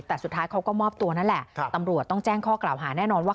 แต่สุดท้ายเขาก็มอบตัวนั่นแหละตำรวจต้องแจ้งข้อกล่าวหาแน่นอนว่า